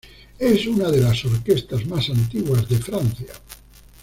Es una de las orquestas más antiguas de Francia.